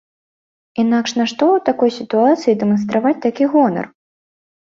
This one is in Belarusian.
Інакш нашто ў такой сітуацыі дэманстраваць такі гонар?